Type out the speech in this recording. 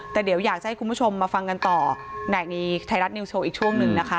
แต่เดี๋ยวอยากจะให้คุณผู้ชมมาฟังกันต่อในไทยรัฐนิวโชว์อีกช่วงหนึ่งนะคะ